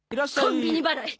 コンビニ払い。